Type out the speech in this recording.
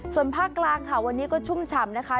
ส่วนภาคกลางค่ะวันนี้ก็ชุ่มฉ่ำนะคะ